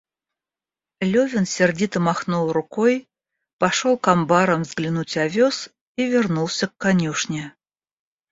Левин сердито махнул рукой, пошел к амбарам взглянуть овес и вернулся к конюшне.